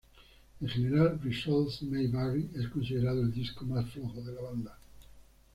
En general, "Results May Vary" es considerado el disco más flojo de la banda.